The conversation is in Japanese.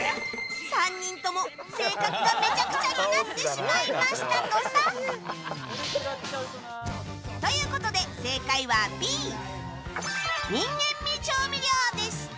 ３人とも性格がめちゃくちゃになってしまいましたとさ。ということで正解はＢ人間味調味料でした。